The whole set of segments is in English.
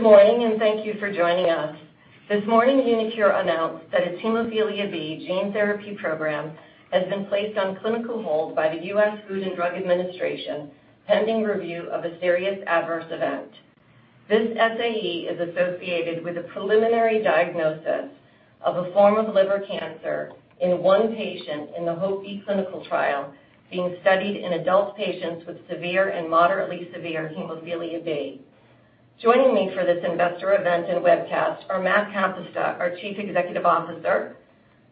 Good morning, and thank you for joining us. This morning, uniQure announced that its hemophilia B gene therapy program has been placed on clinical hold by the US Food and Drug Administration, pending review of a serious adverse event. This SAE is associated with a preliminary diagnosis of a form of liver cancer in one patient in the HOPE-B clinical trial being studied in adult patients with severe and moderately severe hemophilia B. Joining me for this investor event and webcast are Matt Kapusta, our Chief Executive Officer;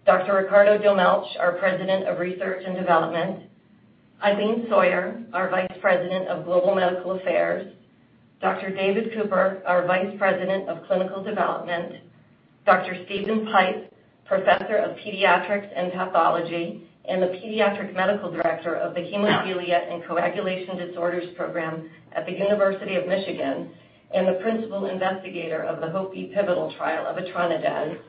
Dr. Ricardo Dolmetsch, our President of Research and Development; Eileen Sawyer, our Vice President of Global Medical Affairs; Dr. David Cooper, our Vice President of Clinical Development; Dr. Steven Pipe, Professor of Pediatrics and Pathology and the Pediatric Medical Director of the Hemophilia & Coagulation Disorders Program at the University of Michigan and the Principal Investigator of the HOPE-B pivotal trial of etranacogene dezaparvovec;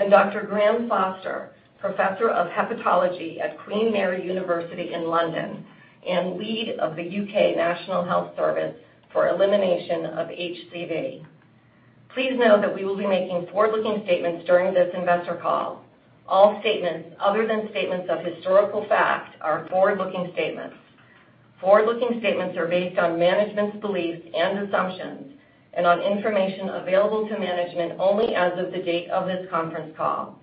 and Dr. Graham Foster, Professor of Hepatology at Queen Mary University of London and lead of the U.K. National Health Service for elimination of HCV. Please note that we will be making forward-looking statements during this investor call. All statements other than statements of historical fact are forward-looking statements. Forward-looking statements are based on management's beliefs and assumptions and on information available to management only as of the date of this conference call.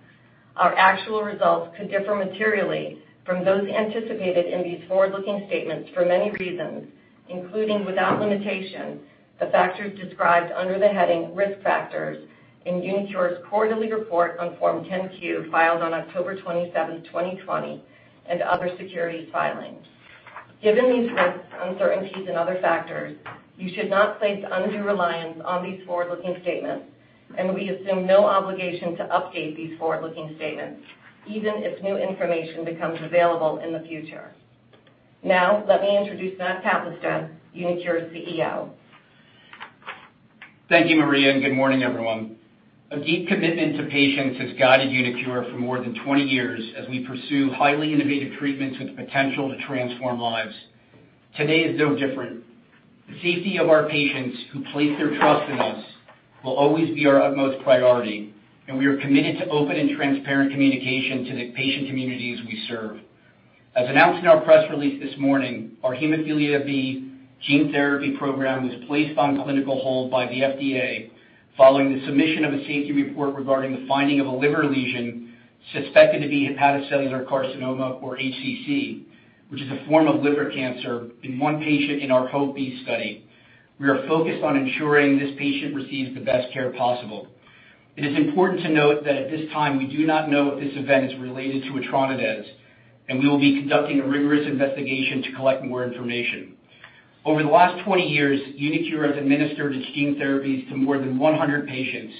Our actual results could differ materially from those anticipated in these forward-looking statements for many reasons, including, without limitation, the factors described under the heading Risk Factors in uniQure's quarterly report on Form 10-Q filed on October 27th, 2020, and other securities filings. Given these risks, uncertainties, and other factors, you should not place undue reliance on these forward-looking statements, and we assume no obligation to update these forward-looking statements, even as new information becomes available in the future. Now, let me introduce Matt Kapusta, uniQure's CEO. Thank you, Maria, good morning, everyone. A deep commitment to patients has guided uniQure for more than 20 years as we pursue highly innovative treatments with the potential to transform lives. Today is no different. The safety of our patients who place their trust in us will always be our utmost priority, we are committed to open and transparent communication to the patient communities we serve. As announced in our press release this morning, our hemophilia B gene therapy program was placed on clinical hold by the FDA following the submission of a safety report regarding the finding of a liver lesion suspected to be hepatocellular carcinoma, or HCC, which is a form of liver cancer in one patient in our HOPE-B study. We are focused on ensuring this patient receives the best care possible. It is important to note that at this time, we do not know if this event is related to etranacogene dezaparvovec, and we will be conducting a rigorous investigation to collect more information. Over the last 20 years, uniQure has administered its gene therapies to more than 100 patients,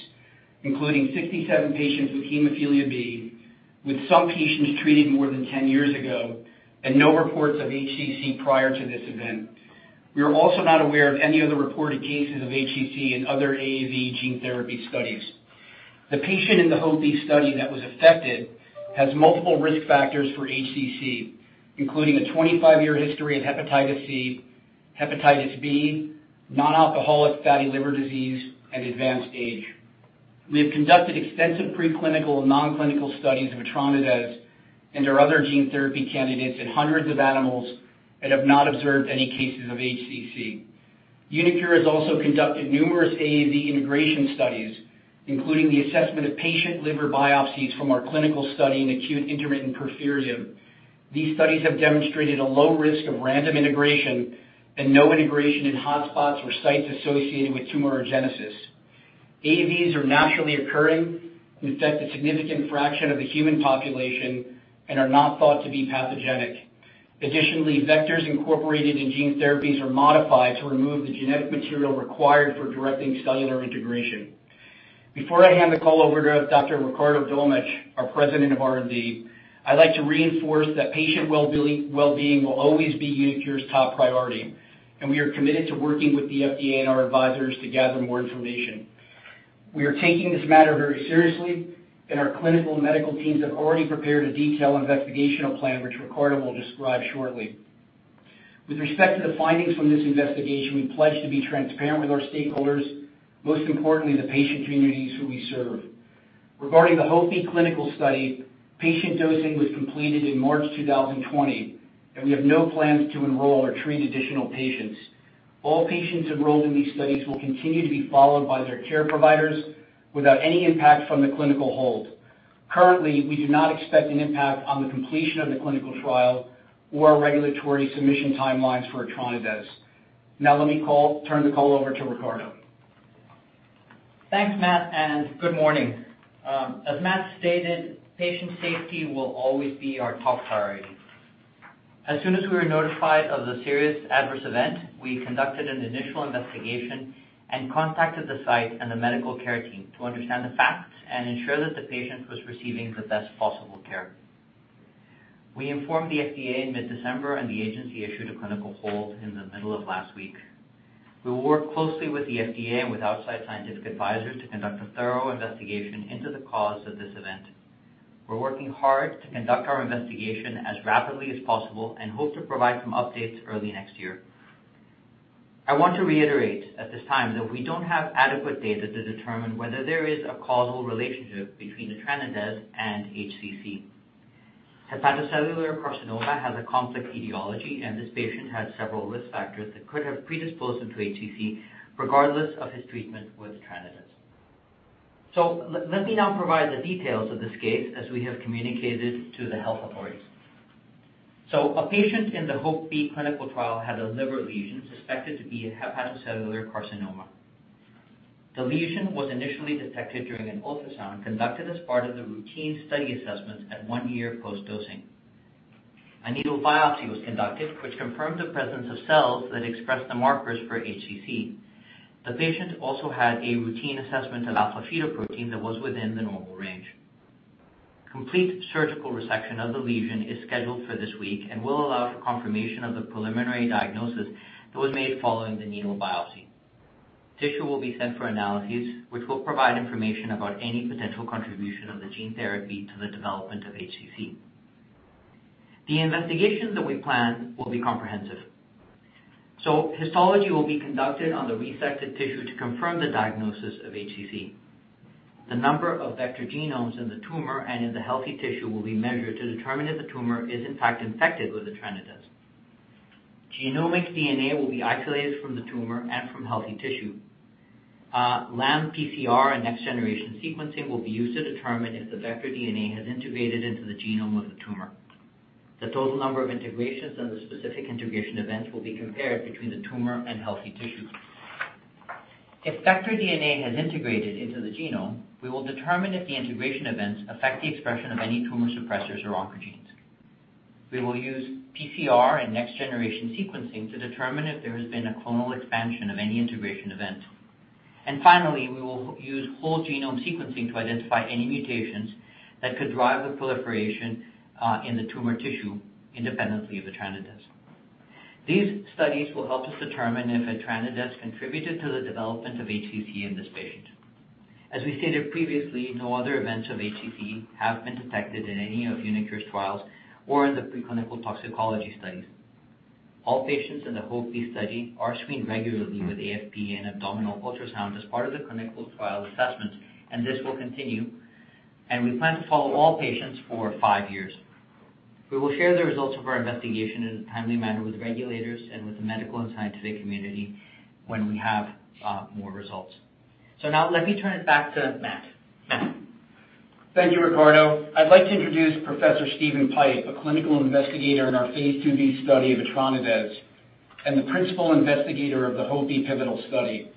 including 67 patients with hemophilia B, with some patients treated more than 10 years ago, and no reports of HCC prior to this event. We are also not aware of any other reported cases of HCC in other AAV gene therapy studies. The patient in the HOPE-B study that was affected has multiple risk factors for HCC, including a 25 year history of hepatitis C, hepatitis B, non-alcoholic fatty liver disease, and advanced age. We have conducted extensive preclinical and non-clinical studies of etranacogene dezaparvovec and our other gene therapy candidates in hundreds of animals and have not observed any cases of HCC. uniQure has also conducted numerous AAV integration studies, including the assessment of patient liver biopsies from our clinical study in acute intermittent porphyria. These studies have demonstrated a low risk of random integration and no integration in hotspots or sites associated with tumorigenesis. AAVs are naturally occurring and affect a significant fraction of the human population and are not thought to be pathogenic. Additionally, vectors incorporated in gene therapies are modified to remove the genetic material required for directing cellular integration. Before I hand the call over to Dr. Ricardo Dolmetsch, our President of R&D, I'd like to reinforce that patient wellbeing will always be uniQure's top priority, and we are committed to working with the FDA and our advisors to gather more information. We are taking this matter very seriously, and our clinical and medical teams have already prepared a detailed investigational plan, which Ricardo will describe shortly. With respect to the findings from this investigation, we pledge to be transparent with our stakeholders, most importantly, the patient communities who we serve. Regarding the HOPE-B clinical study, patient dosing was completed in March 2020, and we have no plans to enroll or treat additional patients. All patients enrolled in these studies will continue to be followed by their care providers without any impact from the clinical hold. Currently, we do not expect an impact on the completion of the clinical trial or regulatory submission timelines for etranodaz. Now let me turn the call over to Ricardo. Thanks, Matt. Good morning. As Matt stated, patient safety will always be our top priority. As soon as we were notified of the serious adverse event, we conducted an initial investigation and contacted the site and the medical care team to understand the facts and ensure that the patient was receiving the best possible care. We informed the FDA in mid-December. The agency issued a clinical hold in the middle of last week. We will work closely with the FDA and with outside scientific advisors to conduct a thorough investigation into the cause of this event. We're working hard to conduct our investigation as rapidly as possible and hope to provide some updates early next year. I want to reiterate at this time that we don't have adequate data to determine whether there is a causal relationship between etranacogene dezaparvovec and HCC. Hepatocellular carcinoma has a complex etiology, and this patient had several risk factors that could have predisposed him to HCC regardless of his treatment with etranacogene dezaparvovec. Let me now provide the details of this case as we have communicated to the health authorities. A patient in the HOPE-B clinical trial had a liver lesion suspected to be a hepatocellular carcinoma. The lesion was initially detected during an ultrasound conducted as part of the routine study assessment at one year post-dosing. A needle biopsy was conducted, which confirmed the presence of cells that expressed the markers for HCC. The patient also had a routine assessment of alpha-fetoprotein that was within the normal range. Complete surgical resection of the lesion is scheduled for this week and will allow for confirmation of the preliminary diagnosis that was made following the needle biopsy. Tissue will be sent for analyses, which will provide information about any potential contribution of the gene therapy to the development of HCC. The investigations that we plan will be comprehensive. Histology will be conducted on the resected tissue to confirm the diagnosis of HCC. The number of vector genomes in the tumor and in the healthy tissue will be measured to determine if the tumor is in fact infected with etranacogene dezaparvovec. Genomic DNA will be isolated from the tumor and from healthy tissue. LAM-PCR and next-generation sequencing will be used to determine if the vector DNA has integrated into the genome of the tumor. The total number of integrations and the specific integration events will be compared between the tumor and healthy tissues. If vector DNA has integrated into the genome, we will determine if the integration events affect the expression of any tumor suppressors or oncogenes. We will use PCR and next-generation sequencing to determine if there has been a clonal expansion of any integration events. Finally, we will use whole genome sequencing to identify any mutations that could drive the proliferation in the tumor tissue independently of etranacogene dezaparvovec. These studies will help us determine if etranacogene dezaparvovec contributed to the development of HCC in this patient. As we stated previously, no other events of HCC have been detected in any of uniQure's trials or in the preclinical toxicology studies. All patients in the HOPE study are screened regularly with AFP and abdominal ultrasound as part of the clinical trial assessment, and this will continue. We plan to follow all patients for five years. We will share the results of our investigation in a timely manner with regulators and with the medical and scientific community when we have more results. Now let me turn it back to Matt. Thank you, Ricardo. I'd like to introduce Professor Steven Pipe, a clinical investigator in our phase II-B study of etranacogene dezaparvovec and the principal investigator of the HOPE-B study.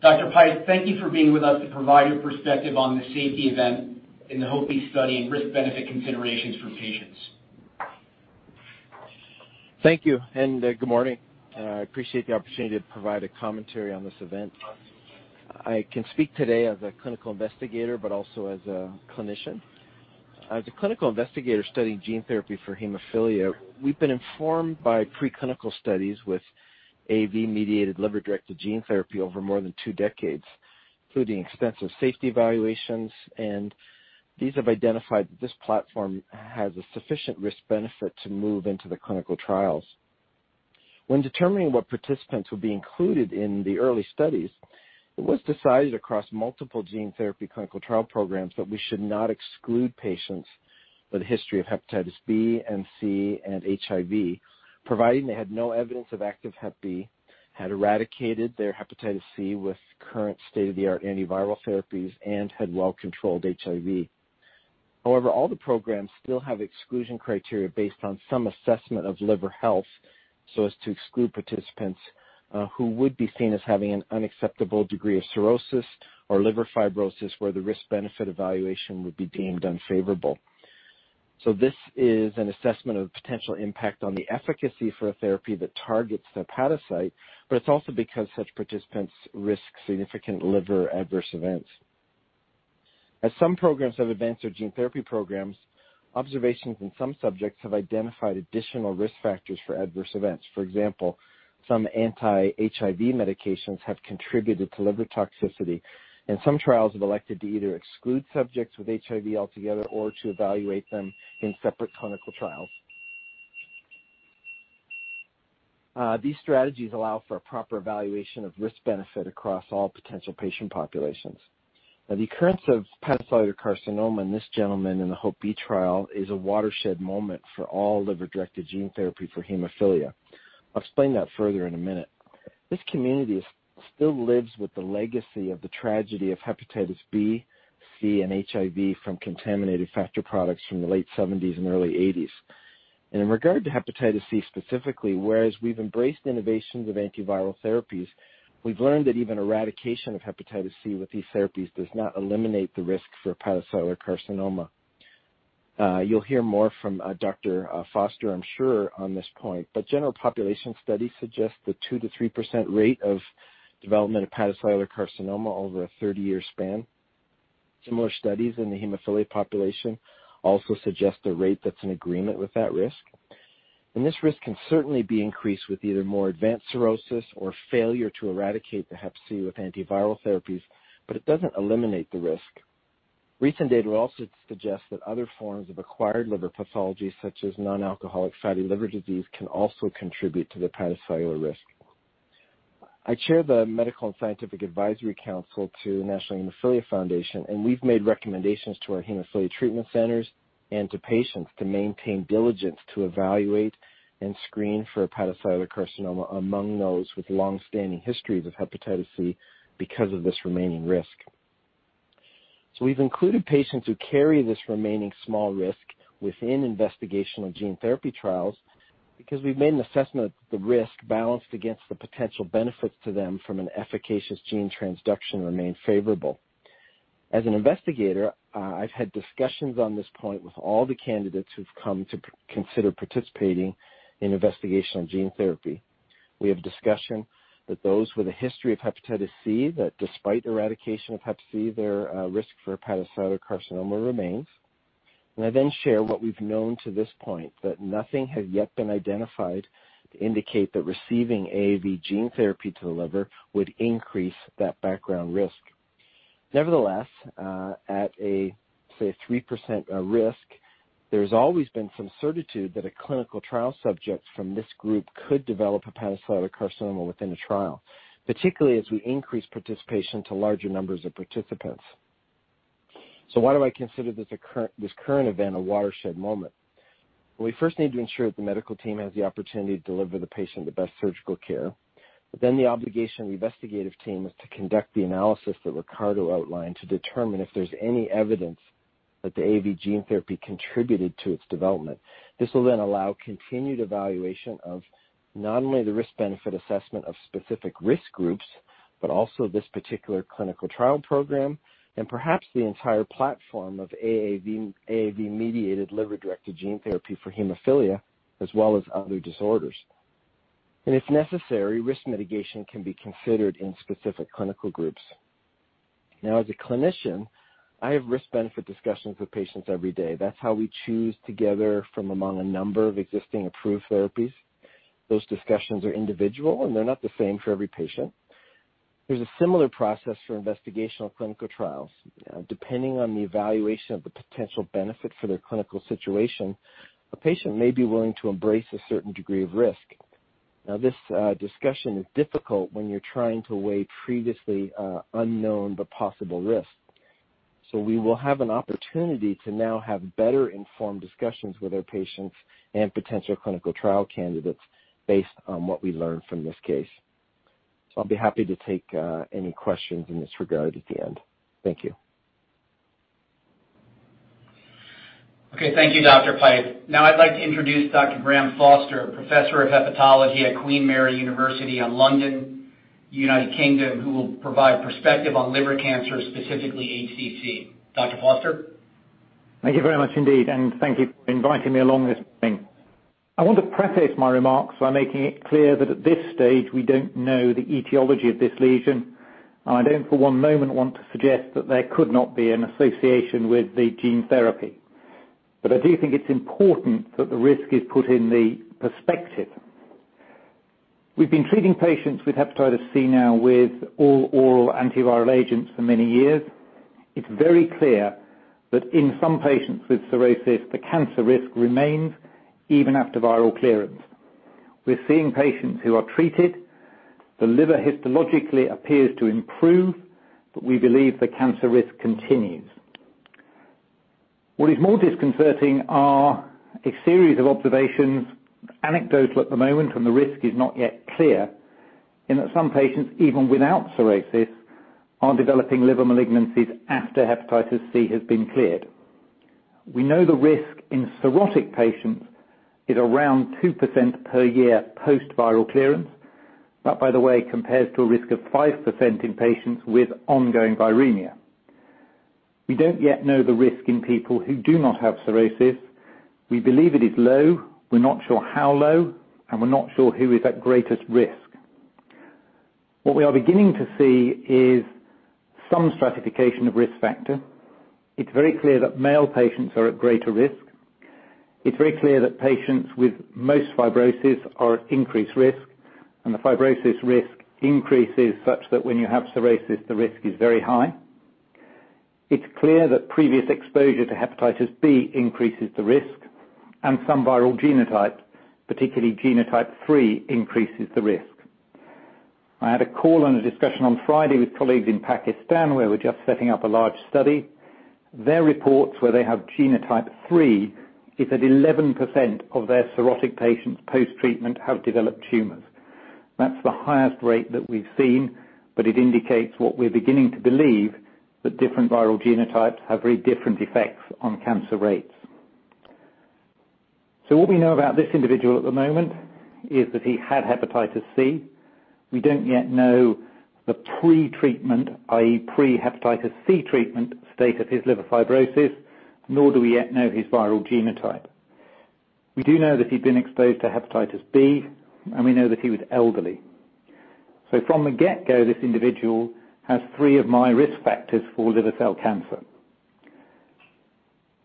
Dr. Pipe, thank you for being with us to provide your perspective on the safety event in the HOPE-B study and risk-benefit considerations for patients. Thank you and good morning. I appreciate the opportunity to provide a commentary on this event. I can speak today as a clinical investigator, but also as a clinician. As a clinical investigator studying gene therapy for hemophilia, we've been informed by preclinical studies with AAV-mediated liver-directed gene therapy over more than two decades, including extensive safety evaluations, and these have identified that this platform has a sufficient risk-benefit to move into the clinical trials. When determining what participants would be included in the early studies, it was decided across multiple gene therapy clinical trial programs that we should not exclude patients with a history of hepatitis B and C and HIV, providing they had no evidence of active hep B, had eradicated their hepatitis C with current state-of-the-art antiviral therapies, and had well-controlled HIV. All the programs still have exclusion criteria based on some assessment of liver health so as to exclude participants who would be seen as having an unacceptable degree of cirrhosis or liver fibrosis where the risk-benefit evaluation would be deemed unfavorable. This is an assessment of potential impact on the efficacy for a therapy that targets the hepatocyte, but it's also because such participants risk significant liver adverse events. As some programs have advanced their gene therapy programs, observations in some subjects have identified additional risk factors for adverse events. For example, some anti-HIV medications have contributed to liver toxicity, and some trials have elected to either exclude subjects with HIV altogether or to evaluate them in separate clinical trials. These strategies allow for a proper evaluation of risk-benefit across all potential patient populations. The occurrence of hepatocellular carcinoma in this gentleman in the HOPE-B trial is a watershed moment for all liver-directed gene therapy for hemophilia. I'll explain that further in a minute. This community still lives with the legacy of the tragedy of hepatitis B, C, and HIV from contaminated factor products from the late 1970s and early 1980s. In regard to hepatitis C specifically, whereas we've embraced innovations of antiviral therapies, we've learned that even eradication of hepatitis C with these therapies does not eliminate the risk for hepatocellular carcinoma. You'll hear more from Dr. Foster, I'm sure, on this point, general population studies suggest the 2%-3% rate of development of hepatocellular carcinoma over a 30 year span. Similar studies in the hemophilia population also suggest a rate that's in agreement with that risk. This risk can certainly be increased with either more advanced cirrhosis or failure to eradicate the hep C with antiviral therapies, but it doesn't eliminate the risk. Recent data also suggests that other forms of acquired liver pathology, such as non-alcoholic fatty liver disease, can also contribute to the hepatocellular risk. I chair the Medical and Scientific Advisory Council to the National Hemophilia Foundation, and we've made recommendations to our hemophilia treatment centers and to patients to maintain diligence to evaluate and screen for hepatocellular carcinoma among those with long-standing histories of hepatitis C because of this remaining risk. We've included patients who carry this remaining small risk within investigational gene therapy trials because we've made an assessment that the risk balanced against the potential benefits to them from an efficacious gene transduction remain favorable. As an investigator, I've had discussions on this point with all the candidates who've come to consider participating in investigational gene therapy. We have discussion that those with a history of hepatitis C, that despite eradication of hep C, their risk for hepatocellular carcinoma remains. I then share what we've known to this point, that nothing has yet been identified to indicate that receiving AAV gene therapy to the liver would increase that background risk. Nevertheless, at a, say, 3% risk, there's always been some certitude that a clinical trial subject from this group could develop hepatocellular carcinoma within a trial, particularly as we increase participation to larger numbers of participants. Why do I consider this current event a watershed moment? We first need to ensure that the medical team has the opportunity to deliver the patient the best surgical care, the obligation of the investigative team is to conduct the analysis that Ricardo outlined to determine if there's any evidence that the AAV gene therapy contributed to its development. This will allow continued evaluation of not only the risk-benefit assessment of specific risk groups, but also this particular clinical trial program and perhaps the entire platform of AAV-mediated liver-directed gene therapy for hemophilia, as well as other disorders. If necessary, risk mitigation can be considered in specific clinical groups. As a clinician, I have risk-benefit discussions with patients every day. That's how we choose together from among a number of existing approved therapies. Those discussions are individual, and they're not the same for every patient. There's a similar process for investigational clinical trials. Depending on the evaluation of the potential benefit for their clinical situation, a patient may be willing to embrace a certain degree of risk. Now, this discussion is difficult when you're trying to weigh previously unknown but possible risks. We will have an opportunity to now have better-informed discussions with our patients and potential clinical trial candidates based on what we learn from this case. I'll be happy to take any questions in this regard at the end. Thank you. Okay. Thank you, Dr. Pipe. Now I'd like to introduce Dr. Graham Foster, professor of Hepatology at Queen Mary University of London, U.K., who will provide perspective on liver cancer, specifically HCC. Dr. Foster? Thank you very much indeed, and thank you for inviting me along this morning. I want to preface my remarks by making it clear that at this stage, we don't know the etiology of this lesion, and I don't for one moment want to suggest that there could not be an association with the gene therapy. I do think it's important that the risk is put in the perspective. We've been treating patients with hepatitis C now with all oral antiviral agents for many years. It's very clear that in some patients with cirrhosis, the cancer risk remains even after viral clearance. We're seeing patients who are treated. The liver histologically appears to improve, but we believe the cancer risk continues. What is more disconcerting are a series of observations, anecdotal at the moment, and the risk is not yet clear, in that some patients, even without cirrhosis, are developing liver malignancies after hepatitis C has been cleared. We know the risk in cirrhotic patients is around 2% per year post-viral clearance. That, by the way, compares to a risk of 5% in patients with ongoing viremia. We don't yet know the risk in people who do not have cirrhosis. We believe it is low. We're not sure how low, and we're not sure who is at greatest risk. What we are beginning to see is some stratification of risk factor. It's very clear that male patients are at greater risk. It's very clear that patients with most fibrosis are at increased risk, and the fibrosis risk increases such that when you have cirrhosis, the risk is very high. It's clear that previous exposure to hepatitis B increases the risk. Some viral genotype, particularly genotype 3, increases the risk. I had a call and a discussion on Friday with colleagues in Pakistan, where we're just setting up a large study. Their reports, where they have genotype 3, is that 11% of their cirrhotic patients post-treatment have developed tumors. That's the highest rate that we've seen. It indicates what we're beginning to believe, that different viral genotypes have very different effects on cancer rates. What we know about this individual at the moment is that he had hepatitis C. We don't yet know the pre-treatment, i.e., pre-hepatitis C treatment, state of his liver fibrosis, nor do we yet know his viral genotype. We do know that he'd been exposed to hepatitis B. We know that he was elderly. From the get-go, this individual has three of my risk factors for liver cell cancer.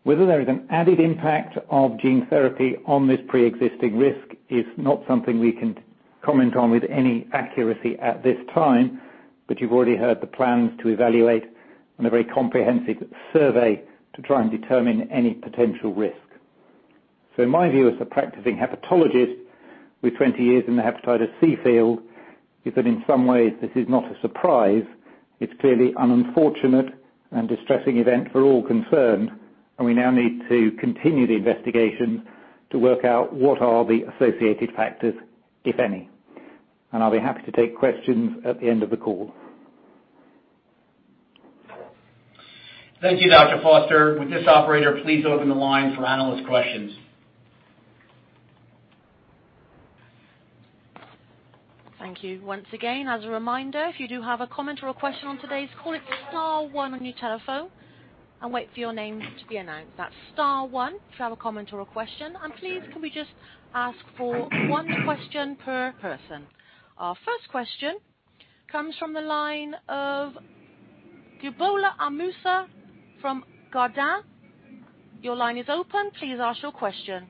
Whether there is an added impact of gene therapy on this preexisting risk is not something we can comment on with any accuracy at this time, but you've already heard the plans to evaluate on a very comprehensive survey to try and determine any potential risk. In my view, as a practicing hepatologist with 20 years in the hepatitis C field, is that in some ways this is not a surprise. It's clearly an unfortunate and distressing event for all concerned, and we now need to continue the investigation to work out what are the associated factors, if any. I'll be happy to take questions at the end of the call. Thank you, Dr. Foster. Would this operator please open the line for analyst questions? Thank you once again. Please, can we just ask for one question per person? Our first question comes from the line of Gbola Amusa from Chardan. Your line is open. Please ask your question.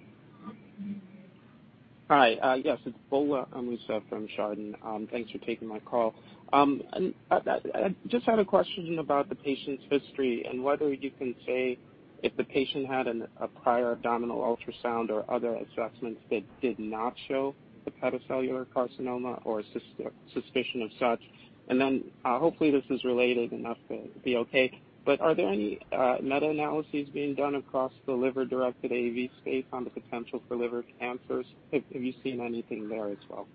Hi. Yes, it's Gbola Amusa from Chardan. Thanks for taking my call. I just had a question about the patient's history and whether you can say if the patient had a prior abdominal ultrasound or other assessments that did not show the hepatocellular carcinoma or suspicion of such. Then, hopefully this is related enough to be okay, but are there any meta-analyses being done across the liver-directed AAV space on the potential for liver cancers? Have you seen anything there as well?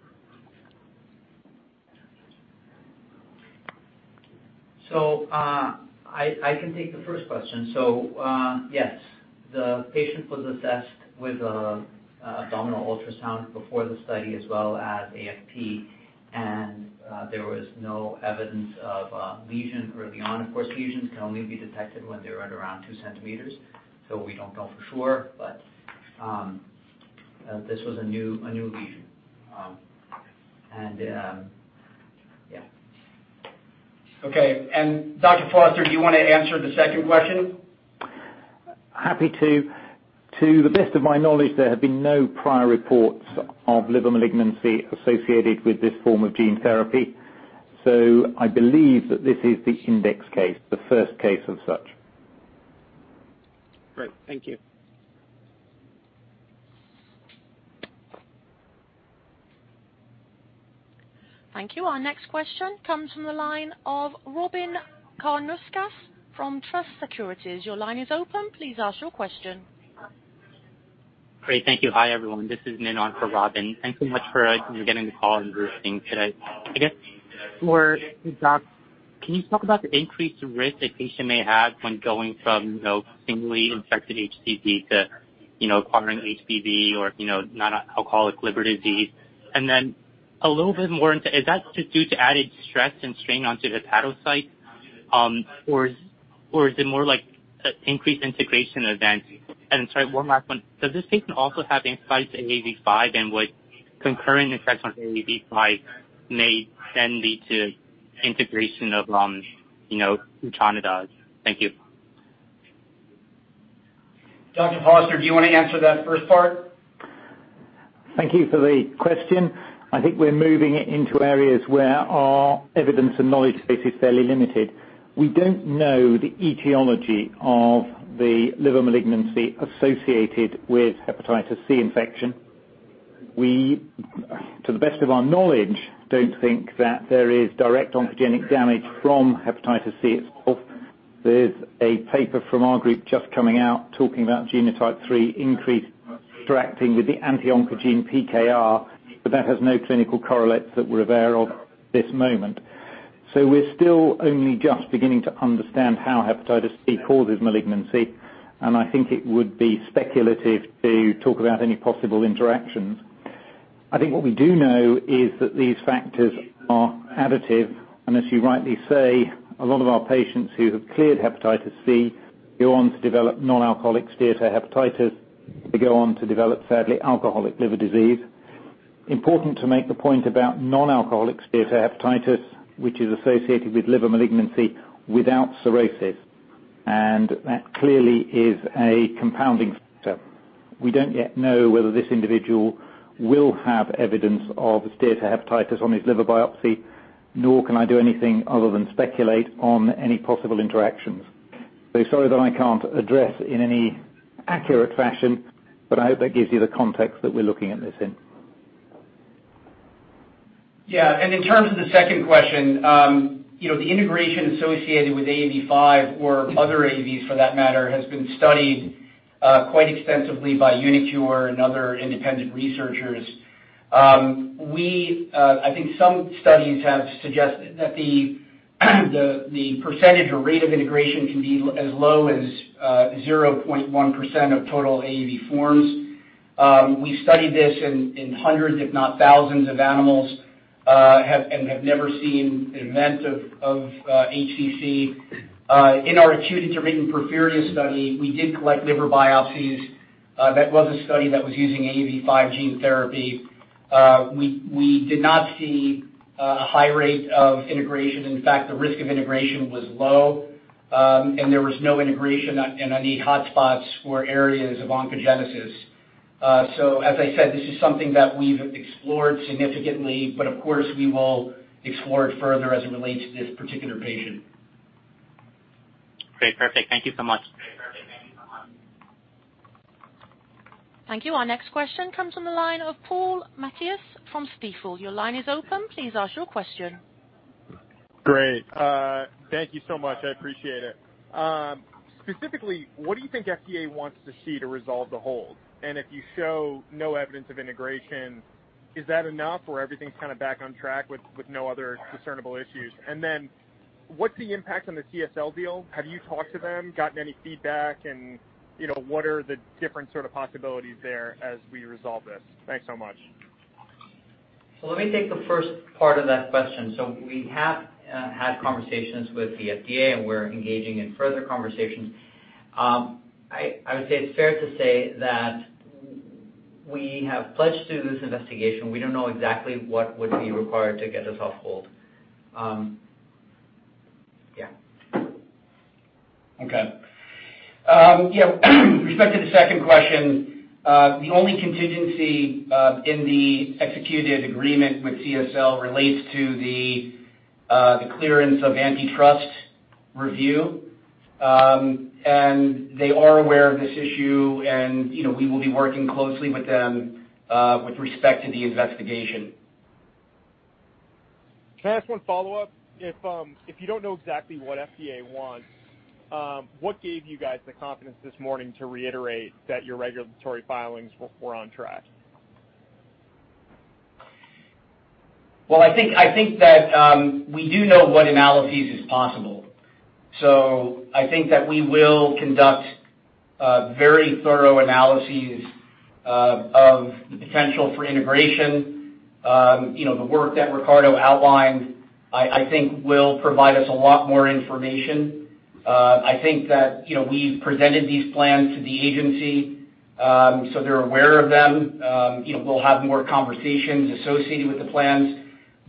I can take the first question. Yes. The patient was assessed with abdominal ultrasound before the study, as well as AFP, and there was no evidence of lesion or beyond. Of course, lesions can only be detected when they're at around two centimeters, so we don't know for sure. This was a new lesion. Yeah. Okay. Dr. Foster, do you want to answer the second question? Happy to. To the best of my knowledge, there have been no prior reports of liver malignancy associated with this form of gene therapy, so I believe that this is the index case, the first case of such. Great. Thank you. Thank you. Our next question comes from the line of Robyn Karnauskas from Truist Securities. Your line is open. Please ask your question. Great, thank you. Hi, everyone. This is for Robyn. Thanks so much for getting the call and hosting today. I guess for the docs, can you talk about the increased risk a patient may have when going from singly infected HCV to acquiring HBV or non-alcoholic liver disease? Then a little bit more into, is that just due to added stress and strain onto the hepatocyte? Or is it more like increased integration events? Sorry, one last one. Does this patient also have insights in AAV5 and what concurrent effects on AAV5 may then lead to integration of etranacogene dezaparvovec? Thank you. Dr. Foster, do you want to answer that first part? Thank you for the question. I think we're moving into areas where our evidence and knowledge space is fairly limited. We don't know the etiology of the liver malignancy associated with hepatitis C infection. We, to the best of our knowledge, don't think that there is direct oncogenic damage from hepatitis C itself. There's a paper from our group just coming out talking about genotype 3 increased interacting with the anti-oncogene PKR, but that has no clinical correlates that we're aware of this moment. We're still only just beginning to understand how hepatitis C causes malignancy, and I think it would be speculative to talk about any possible interactions. I think what we do know is that these factors are additive, and as you rightly say, a lot of our patients who have cleared hepatitis C go on to develop non-alcoholic steatohepatitis. They go on to develop, sadly, alcoholic liver disease. Important to make the point about non-alcoholic steatohepatitis, which is associated with liver malignancy without cirrhosis, and that clearly is a compounding factor. We don't yet know whether this individual will have evidence of steatohepatitis on his liver biopsy, nor can I do anything other than speculate on any possible interactions. Sorry that I can't address in any accurate fashion, but I hope that gives you the context that we're looking at this in. Yeah. In terms of the second question, the integration associated with AAV5 or other AAVs, for that matter, has been studied quite extensively by uniQure and other independent researchers. I think some studies have suggested that the percentage or rate of integration can be as low as 0.1% of total AAV forms. We studied this in hundreds, if not thousands, of animals, and have never seen an event of HCC. In our acute intermittent porphyria study, we did collect liver biopsies. That was a study that was using AAV5 gene therapy. We did not see a high rate of integration. In fact, the risk of integration was low, and there was no integration in any hotspots or areas of oncogenesis. As I said, this is something that we've explored significantly, but of course, we will explore it further as it relates to this particular patient. Great. Perfect. Thank you so much. Thank you. Our next question comes from the line of Paul Matteis from Stifel. Great. Thank you so much. I appreciate it. Specifically, what do you think FDA wants to see to resolve the hold? If you show no evidence of integration, is that enough where everything's back on track with no other discernible issues? What's the impact on the CSL deal? Have you talked to them, gotten any feedback, and what are the different sort of possibilities there as we resolve this? Thanks so much. Let me take the first part of that question. We have had conversations with the FDA, and we're engaging in further conversations. I would say it's fair to say that we have pledged to this investigation, we don't know exactly what would be required to get us off hold. Yeah. Okay. With respect to the second question, the only contingency in the executed agreement with CSL relates to the clearance of antitrust review. They are aware of this issue and we will be working closely with them with respect to the investigation. Can I ask one follow-up? If you don't know exactly what FDA wants, what gave you guys the confidence this morning to reiterate that your regulatory filings were on track? Well, I think that we do know what analysis is possible. I think that we will conduct very thorough analyses of the potential for integration. The work that Ricardo outlined, I think will provide us a lot more information. I think that we've presented these plans to the agency so they're aware of them. We'll have more conversations associated with the plans.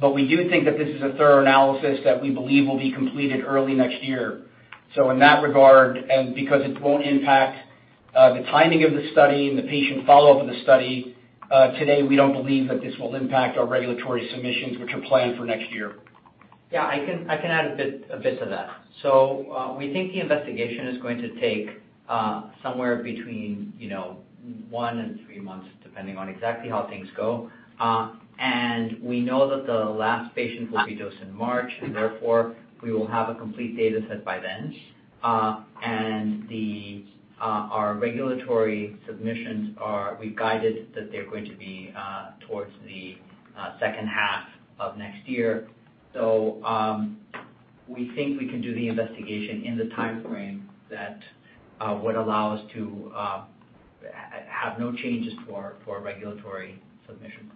We do think that this is a thorough analysis that we believe will be completed early next year. In that regard, and because it won't impact the timing of the study and the patient follow-up of the study, today we don't believe that this will impact our regulatory submissions which are planned for next year. Yeah, I can add a bit to that. We think the investigation is going to take somewhere between one and three months, depending on exactly how things go. We know that the last patient will be dosed in March, and therefore, we will have a complete data set by then. Our regulatory submissions are, we've guided that they're going to be towards the second half of next year. We think we can do the investigation in the timeframe that would allow us to have no changes for regulatory submission.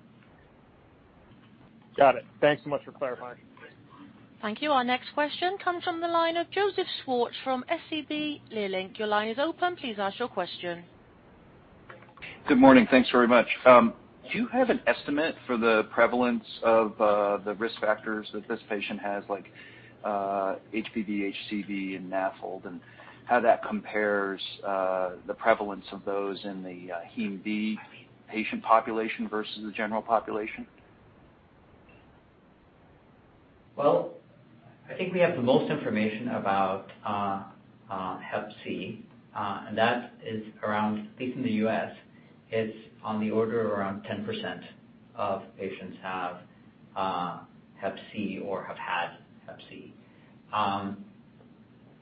Got it. Thanks so much for clarifying. Thank you. Our next question comes from the line of Joseph Schwartz from SVB Leerink. Your line is open. Please ask your question. Good morning. Thanks very much. Do you have an estimate for the prevalence of the risk factors that this patient has, like HBV, HCV, and NAFLD, and how that compares the prevalence of those in the hem B patient population versus the general population? Well, I think we have the most information about hep C. That is around, at least in the U.S., it's on the order of around 10% of patients have hep C or have had hep C.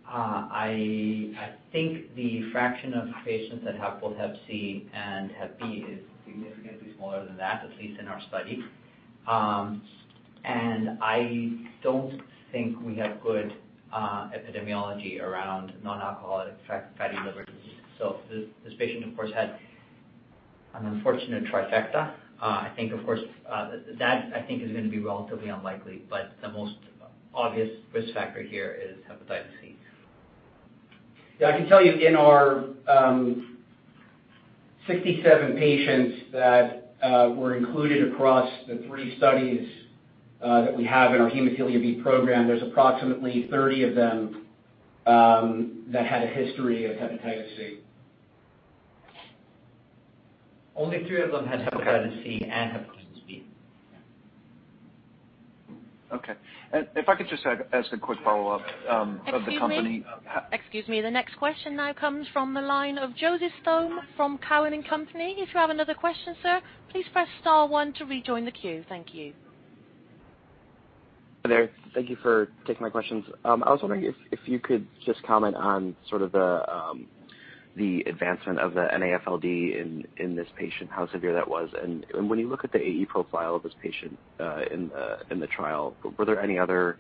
I think the fraction of patients that have both hep C and hep B is significantly smaller than that, at least in our study. I don't think we have good epidemiology around non-alcoholic fatty liver disease. This patient, of course, had an unfortunate trifecta. That, I think, is going to be relatively unlikely, but the most obvious risk factor here is hepatitis C. Yeah, I can tell you in our 67 patients that were included across the three studies that we have in our Hemophilia B program, there's approximately 30 of them that had a history of hepatitis C. Only three of them had hepatitis C and hepatitis B. Okay. If I could just add a quick follow-up of the company. Excuse me. The next question now comes from the line of Joseph Strom from Cowen and Company. If you have another question, sir, please press star one to rejoin the queue. Thank you. Hi there. Thank you for taking my questions. I was wondering if you could just comment on sort of the advancement of the NAFLD in this patient, how severe that was, and when you look at the AE profile of this patient in the trial, were there any other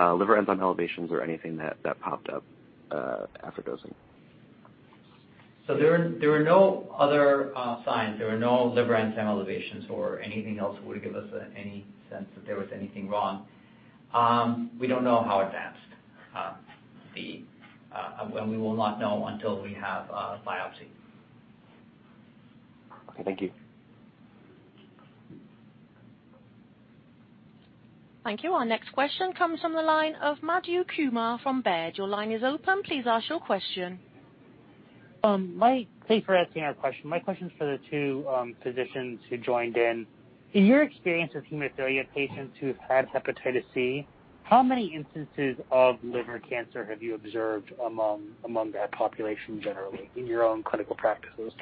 liver enzyme elevations or anything that popped up after dosing? There were no other signs. There were no liver enzyme elevations or anything else that would give us any sense that there was anything wrong. We don't know how advanced C and we will not know until we have a biopsy. Okay. Thank you. Thank you. Our next question comes from the line of Madhu Kumar from Baird. Your line is open. Please ask your question. Thanks for taking our question. My question is for the two physicians who joined in. In your experience with hemophilia patients who've had hepatitis C, how many instances of liver cancer have you observed among that population generally in your own clinical practices?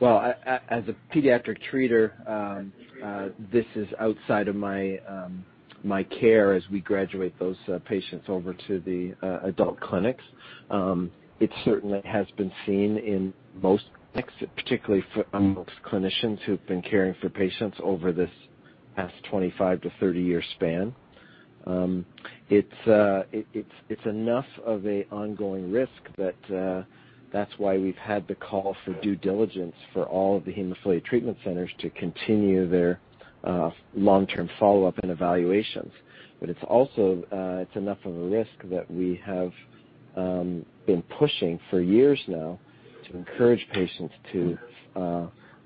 Well, as a pediatric treater, this is outside of my care as we graduate those patients over to the adult clinics. It certainly has been seen in most clinics, particularly among most clinicians who've been caring for patients over this past 25 to 30 year span. It's enough of an ongoing risk that that's why we've had the call for due diligence for all of the hemophilia treatment centers to continue their long-term follow-up and evaluations. It's also enough of a risk that we have been pushing for years now to encourage patients to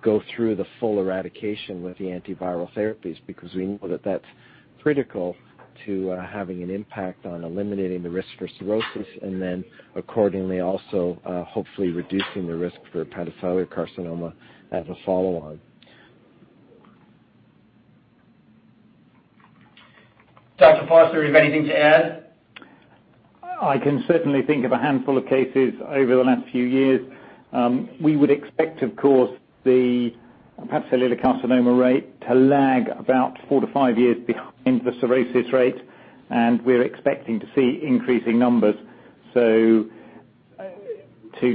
go through the full eradication with the antiviral therapies, because we know that that's critical to having an impact on eliminating the risk for cirrhosis, and then accordingly also hopefully reducing the risk for hepatocellular carcinoma as a follow-on. Dr. Foster, you have anything to add? I can certainly think of a handful of cases over the last few years. We would expect, of course, the hepatocellular carcinoma rate to lag about four to five years behind the cirrhosis rate, and we're expecting to see increasing numbers. To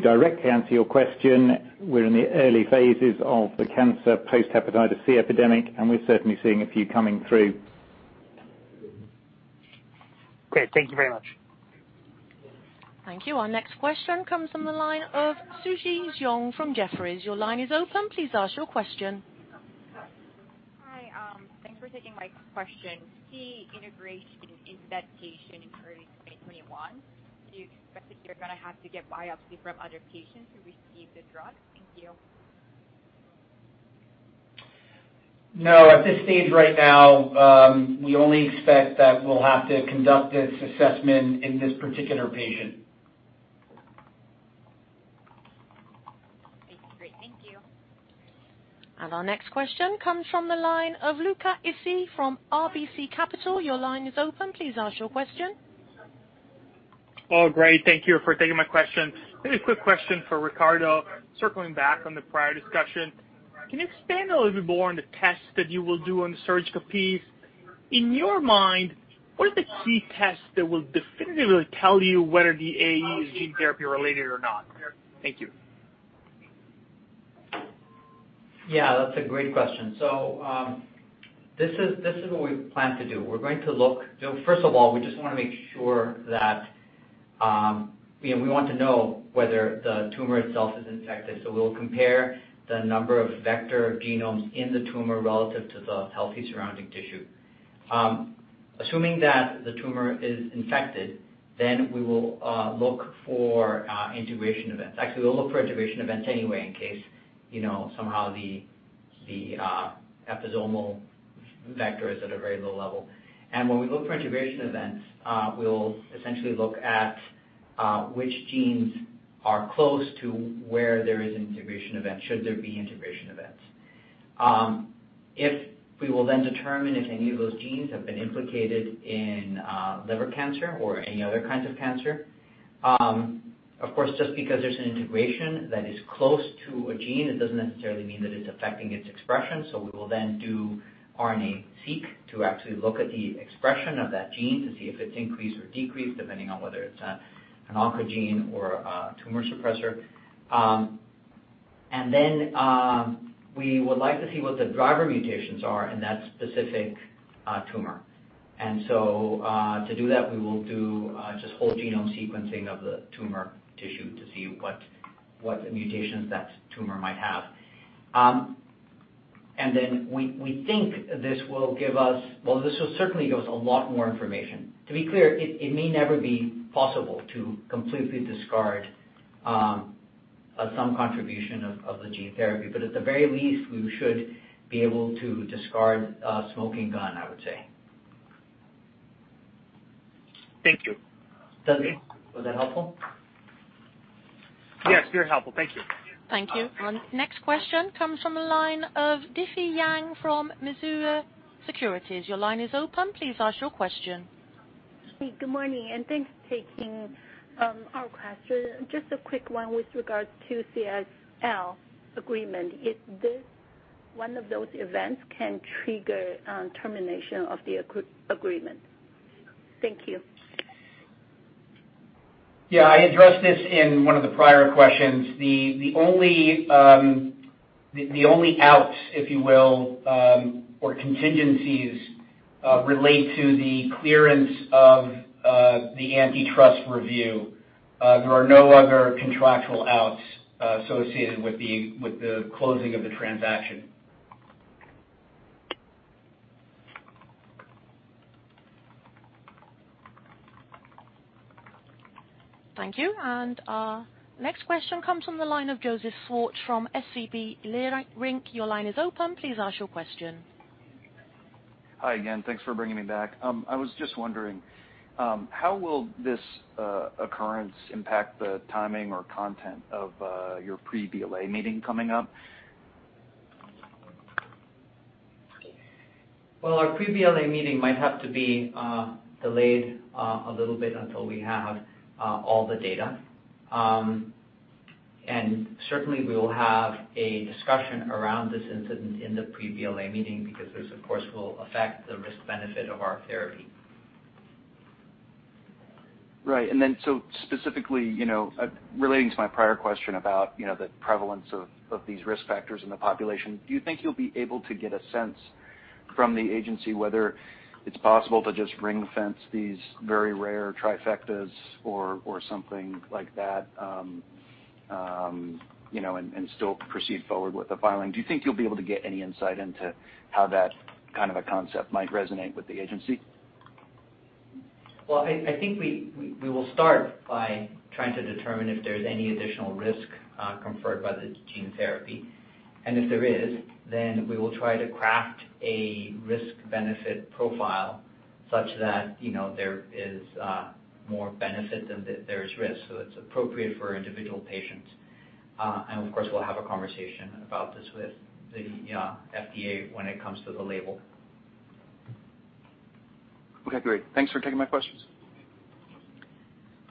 directly answer your question, we're in the early phases of the cancer post-hepatitis C epidemic, and we're certainly seeing a few coming through. Great. Thank you very much. Thank you. Our next question comes from the line of Suji Xiong from Jefferies. Your line is open. Please ask your question. Hi. Thanks for taking my question. The integration in that patient occurred in 2021. Do you expect that you're going to have to get biopsy from other patients who received the drug? Thank you. No. At this stage right now, we only expect that we'll have to conduct this assessment in this particular patient. Okay, great. Thank you. Our next question comes from the line of Luca Issi from RBC Capital. Your line is open. Please ask your question. Oh, great. Thank you for taking my question. Maybe a quick question for Ricardo. Circling back on the prior discussion, can you expand a little bit more on the tests that you will do on surgical pathology? In your mind, what are the key tests that will definitively tell you whether the AE is gene therapy-related or not? Thank you. Yeah, that's a great question. This is what we plan to do. First of all, we just want to make sure that we want to know whether the tumor itself is infected. We'll compare the number of vector genomes in the tumor relative to the healthy surrounding tissue. Assuming that the tumor is infected, we will look for integration events. Actually, we'll look for integration events anyway, in case somehow the episomal vector is at a very low level. When we look for integration events, we'll essentially look at which genes are close to where there is an integration event, should there be integration events. We will then determine if any of those genes have been implicated in liver cancer or any other kinds of cancer. Of course, just because there's an integration that is close to a gene, it doesn't necessarily mean that it's affecting its expression. We will then do RNA-seq to actually look at the expression of that gene to see if it's increased or decreased, depending on whether it's an oncogene or a tumor suppressor. Then, we would like to see what the driver mutations are in that specific tumor. To do that, we will do just whole genome sequencing of the tumor tissue to see what mutations that tumor might have. Then we think this will give us. Well, this will certainly give us a lot more information. To be clear, it may never be possible to completely discard some contribution of the gene therapy. At the very least, we should be able to discard a smoking gun, I would say. Thank you. Was that helpful? Yes, very helpful. Thank you. Thank you. Our next question comes from the line of Difei Yang from Mizuho Securities. Your line is open. Please ask your question. Good morning, and thanks for taking our question. Just a quick one with regards to CSL agreement. Is this one of those events can trigger termination of the agreement? Thank you. I addressed this in one of the prior questions. The only out, if you will, or contingencies, relate to the clearance of the antitrust review. There are no other contractual outs associated with the closing of the transaction. Thank you. Our next question comes from the line of Joseph Schwartz from SVB Leerink. Your line is open. Please ask your question. Hi again. Thanks for bringing me back. I was just wondering, how will this occurrence impact the timing or content of your pre-BLA meeting coming up? Well, our pre-BLA meeting might have to be delayed a little bit until we have all the data. Certainly, we will have a discussion around this incident in the pre-BLA meeting because this, of course, will affect the risk-benefit of our therapy. Right. Specifically, relating to my prior question about the prevalence of these risk factors in the population, do you think you'll be able to get a sense from the agency whether it's possible to just ring-fence these very rare trifectas or something like that, and still proceed forward with the filing? Do you think you'll be able to get any insight into how that kind of a concept might resonate with the agency? Well, I think we will start by trying to determine if there's any additional risk conferred by the gene therapy. If there is, we will try to craft a risk-benefit profile such that there is more benefit than there is risk, so it's appropriate for individual patients. Of course, we'll have a conversation about this with the FDA when it comes to the label. Okay, great. Thanks for taking my questions.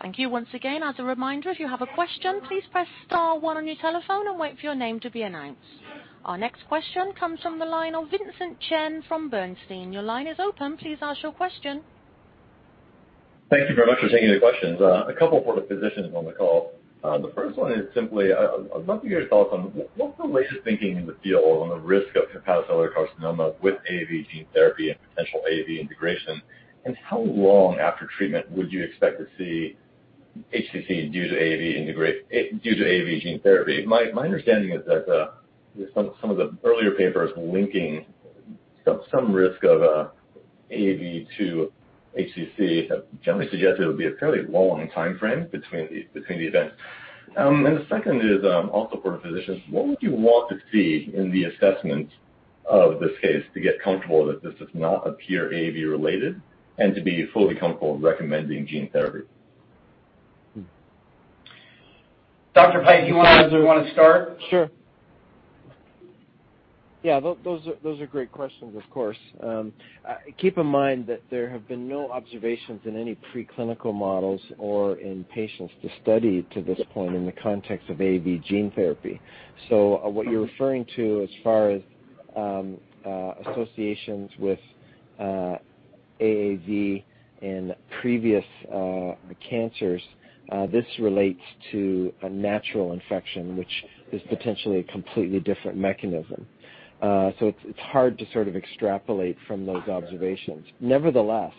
Thank you once again. As a reminder, if you have a question, please press star one on your telephone and wait for your name to be announced. Our next question comes from the line of Vincent Chen from Bernstein. Your line is open. Please ask your question. Thank you very much for taking the questions. A couple for the physicians on the call. The first one is simply, I'd love to hear your thoughts on what's the latest thinking in the field on the risk of hepatocellular carcinoma with AAV gene therapy and potential AAV integration, and how long after treatment would you expect to see HCC due to AAV gene therapy? My understanding is that some of the earlier papers linking some risk of AAV2 HCC have generally suggested it would be a fairly long timeframe between the events. The second is also for physicians. What would you want to see in the assessment of this case to get comfortable that this does not appear AAV related, and to be fully comfortable recommending gene therapy? Steven Pipe, do you want to start? Sure. Yeah, those are great questions, of course. Keep in mind that there have been no observations in any preclinical models or in patients to study to this point in the context of AAV gene therapy. What you're referring to as far as associations with AAV in previous cancers, this relates to a natural infection which is potentially a completely different mechanism. It's hard to sort of extrapolate from those observations. Nevertheless,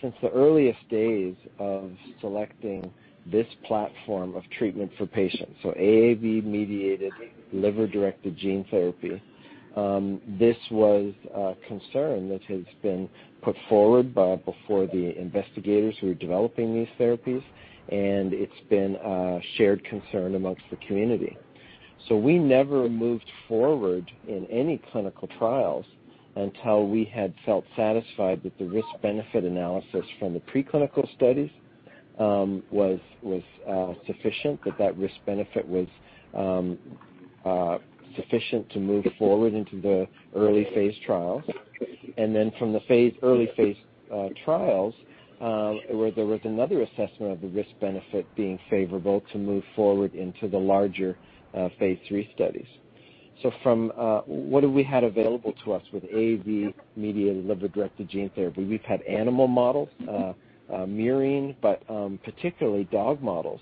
since the earliest days of selecting this platform of treatment for patients, so AAV-mediated liver-directed gene therapy, this was a concern that has been put forward by before the investigators who are developing these therapies, and it's been a shared concern amongst the community. We never moved forward in any clinical trials until we had felt satisfied that the risk-benefit analysis from the preclinical studies was sufficient, that risk-benefit was sufficient to move forward into the early phase trials. From the early phase trials, there was another assessment of the risk-benefit being favorable to move forward into the larger phase III studies. From what we had available to us with AAV-mediated liver-directed gene therapy, we've had animal models, murine, but particularly dog models.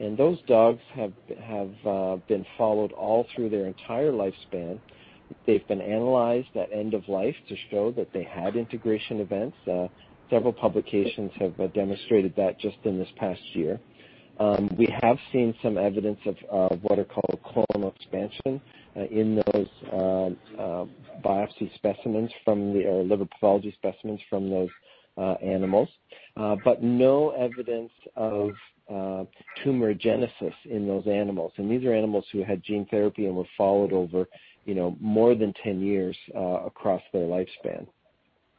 Those dogs have been followed all through their entire lifespan. They've been analyzed at end of life to show that they had integration events. Several publications have demonstrated that just in this past year. We have seen some evidence of what are called clonal expansion in those biopsy specimens from the liver pathology specimens from those animals, but no evidence of tumorigenesis in those animals. These are animals who had gene therapy and were followed over more than 10 years across their lifespan.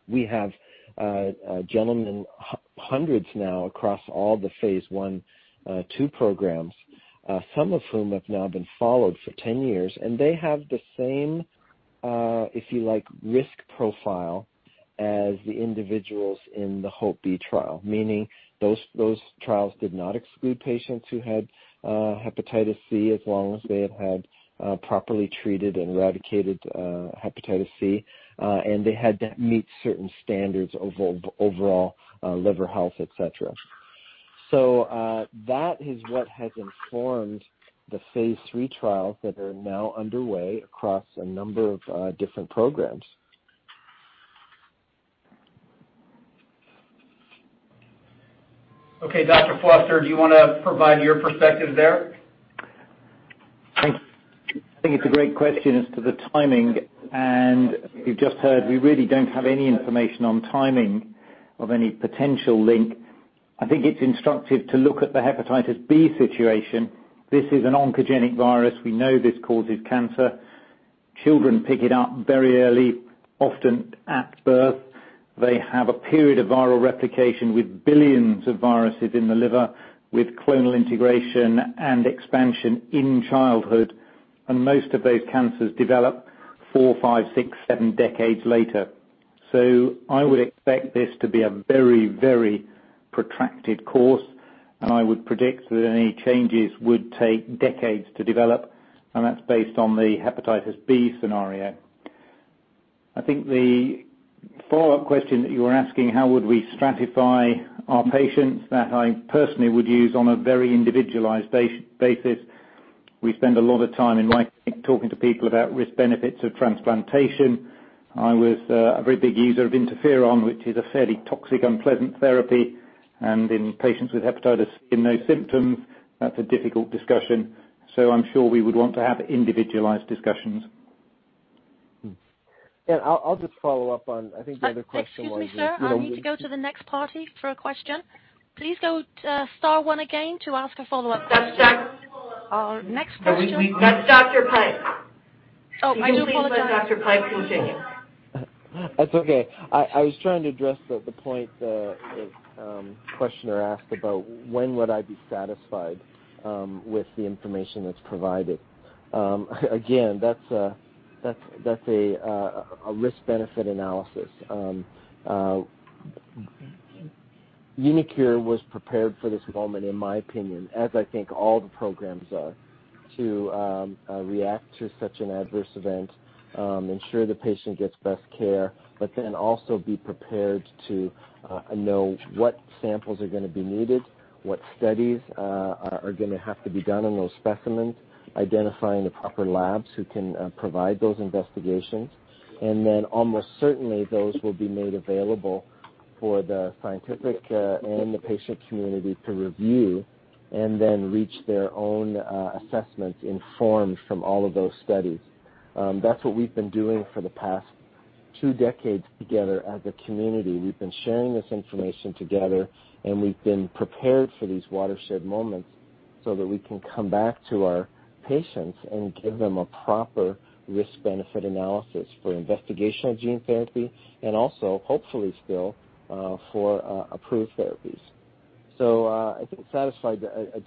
We have gentlemen, hundreds now across all the phase I, II programs, some of whom have now been followed for 10 years, and they have the same, if you like, risk profile as the individuals in the HOPE-B trial, meaning those trials did not exclude patients who had hepatitis C as long as they had properly treated and eradicated hepatitis C, and they had to meet certain standards of overall liver health, et cetera. That is what has informed the phase III trials that are now underway across a number of different programs. Okay, Dr. Foster, do you want to provide your perspective there? Thanks. I think it's a great question as to the timing, and you've just heard we really don't have any information on timing of any potential link. I think it's instructive to look at the hepatitis B situation. This is an oncogenic virus. We know this causes cancer. Children pick it up very early, often at birth. They have a period of viral replication with billions of viruses in the liver with clonal integration and expansion in childhood. Most of those cancers develop four, five, six, seven decades later. I would expect this to be a very protracted course, and I would predict that any changes would take decades to develop, and that's based on the hepatitis B scenario. I think the follow-up question that you were asking, how would we stratify our patients, that I personally would use on a very individualized basis. We spend a lot of time in my clinic talking to people about risk-benefits of transplantation. I was a very big user of interferon, which is a fairly toxic, unpleasant therapy. In patients with hepatitis with no symptoms, that's a difficult discussion. I'm sure we would want to have individualized discussions. Yeah, I'll just follow up on I think the other question was. Excuse me, sir. I need to go to the next party for a question. Please go star one again to ask a follow-up question. That's Dr. Our next question. That's Steven Pipe. Oh, I do apologize. Would you please let Steven Pipe continue? That's okay. I was trying to address the point the questioner asked about when would I be satisfied with the information that's provided. Again, that's a risk-benefit analysis. uniQure was prepared for this moment, in my opinion, as I think all the programs are, to react to such an adverse event, ensure the patient gets best care, but then also be prepared to know what samples are going to be needed, what studies are going to have to be done on those specimens, identifying the proper labs who can provide those investigations. Almost certainly those will be made available for the scientific and the patient community to review and then reach their own assessments informed from all of those studies. That's what we've been doing for the past two decades together as a community. We've been sharing this information together, and we've been prepared for these watershed moments so that we can come back to our patients and give them a proper risk-benefit analysis for investigational gene therapy and also, hopefully still, for approved therapies. I think satisfied, a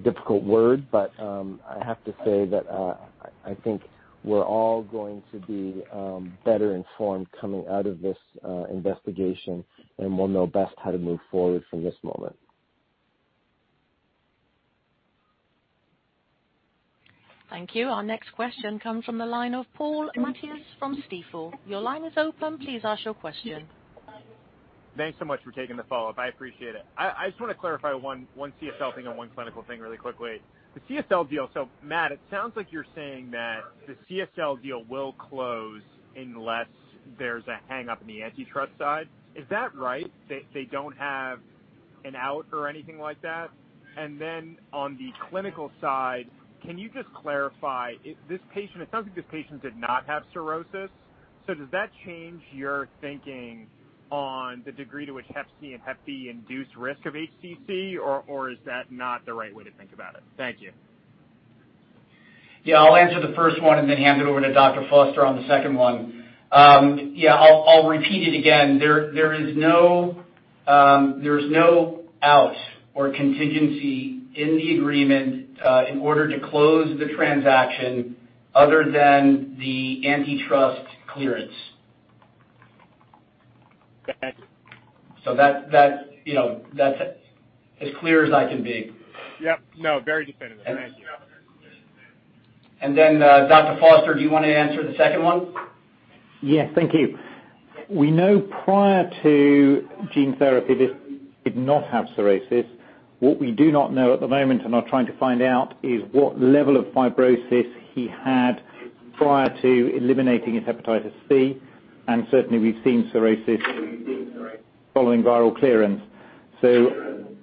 difficult word, but I have to say that I think we're all going to be better informed coming out of this investigation, and we'll know best how to move forward from this moment. Thank you. Our next question comes from the line of Paul Matteis from Stifel. Your line is open. Please ask your question. Thanks so much for taking the follow-up. I appreciate it. I just want to clarify one CSL thing and one clinical thing really quickly. The CSL deal, Matt, it sounds like you're saying that the CSL deal will close unless there's a hang-up in the antitrust side. Is that right? They don't have an out or anything like that? On the clinical side, can you just clarify, it sounds like this patient did not have cirrhosis. Does that change your thinking on the degree to which hep C and hep B induce risk of HCC, or is that not the right way to think about it? Thank you. I'll answer the first one and then hand it over to Dr. Foster on the second one. I'll repeat it again. There is no out or contingency in the agreement in order to close the transaction other than the antitrust clearance. Okay, thank you. That's as clear as I can be. Yep. No, very definitive. Thank you. Dr. Foster, do you want to answer the second one? Yes, thank you. We know prior to gene therapy, this did not have cirrhosis. What we do not know at the moment and are trying to find out is what level of fibrosis he had prior to eliminating his hepatitis C. Certainly, we've seen cirrhosis following viral clearance.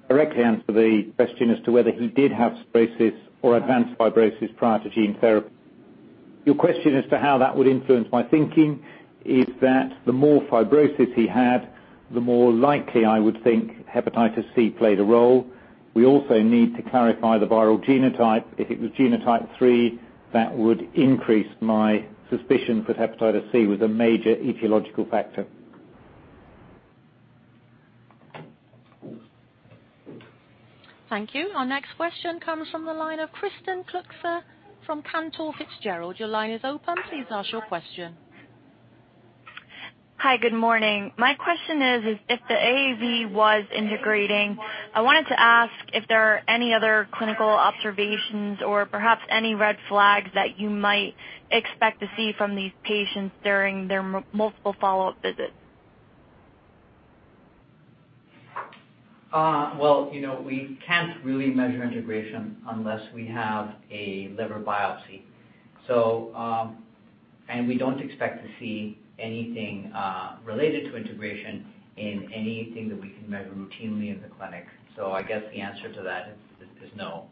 Directly answer the question as to whether he did have cirrhosis or advanced fibrosis prior to gene therapy. Your question as to how that would influence my thinking is that the more fibrosis he had, the more likely I would think hepatitis C played a role. We also need to clarify the viral genotype. If it was genotype 3, that would increase my suspicion that hepatitis C was a major etiological factor. Thank you. Our next question comes from the line of Kristen Kluska from Cantor Fitzgerald. Your line is open. Please ask your question. Hi, good morning. My question is, if the AAV was integrating, I wanted to ask if there are any other clinical observations or perhaps any red flags that you might expect to see from these patients during their multiple follow-up visits? We can't really measure integration unless we have a liver biopsy. We don't expect to see anything related to integration in anything that we can measure routinely in the clinic. I guess the answer to that is no.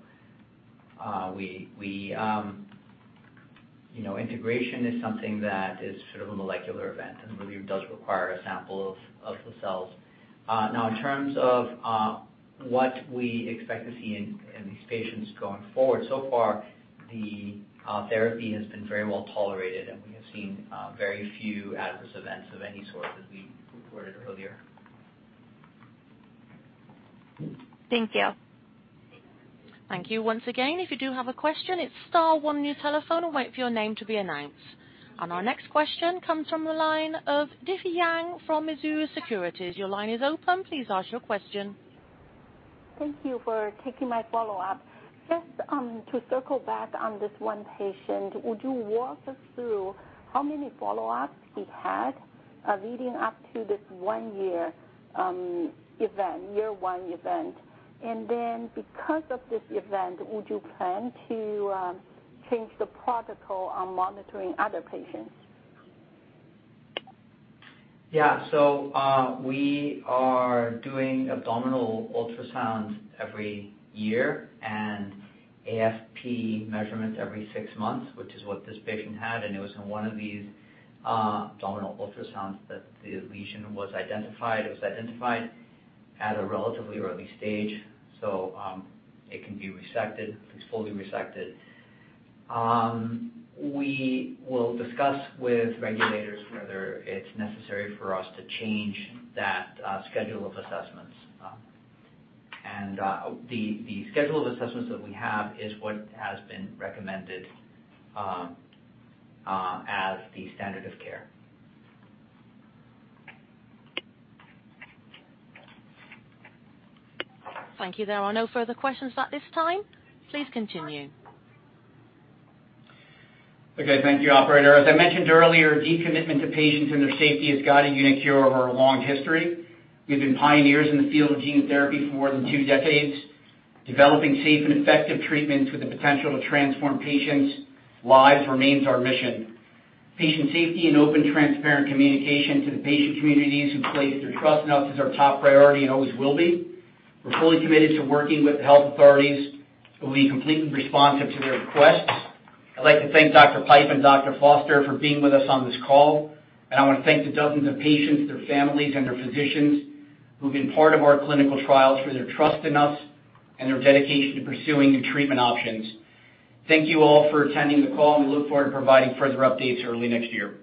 Integration is something that is sort of a molecular event, and really does require a sample of the cells. In terms of what we expect to see in these patients going forward, so far, the therapy has been very well-tolerated, and we have seen very few adverse events of any sort, as we reported earlier. Thank you. Thank you once again. If you do have a question, it's star one on your telephone and wait for your name to be announced. Our next question comes from the line of Difei Yang from Mizuho Securities. Your line is open. Please ask your question. Thank you for taking my follow-up. Just to circle back on this one patient, would you walk us through how many follow-ups he had leading up to this year one event? Because of this event, would you plan to change the protocol on monitoring other patients? Yeah. We are doing abdominal ultrasounds every year and AFP measurements every six months, which is what this patient had, and it was in one of these abdominal ultrasounds that the lesion was identified. It was identified at a relatively early stage, so it can be resected. It's fully resected. We will discuss with regulators whether it's necessary for us to change that schedule of assessments. The schedule of assessments that we have is what has been recommended as the standard of care. Thank you. There are no further questions at this time. Please continue. Okay. Thank you, operator. As I mentioned earlier, deep commitment to patients and their safety has guided uniQure over a long history. We've been pioneers in the field of gene therapy for more than two decades. Developing safe and effective treatments with the potential to transform patients' lives remains our mission. Patient safety and open, transparent communication to the patient communities who place their trust in us is our top priority and always will be. We're fully committed to working with the health authorities and will be completely responsive to their requests. I'd like to thank Dr. Pipe and Dr. Foster for being with us on this call, and I want to thank the dozens of patients, their families, and their physicians who've been part of our clinical trials for their trust in us and their dedication to pursuing new treatment options. Thank you all for attending the call, and we look forward to providing further updates early next year.